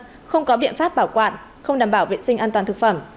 trên sân không có biện pháp bảo quản không đảm bảo vệ sinh an toàn thực phẩm